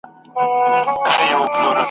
سترګو ژړلي دي ژړلي دي سلګۍ نه لري !.